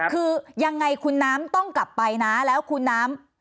คือยังไงคุณน้ำต้องกลับไปนะแล้วคุณน้ำ